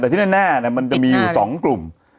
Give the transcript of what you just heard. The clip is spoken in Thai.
แต่ที่แน่มันจะมีอยู่๒กลุ่ม